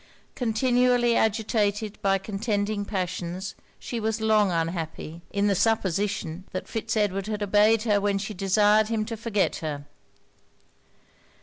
Continually agitated by contending passions, she was long unhappy, in the supposition that Fitz Edward had obeyed her when she desired him to forget her.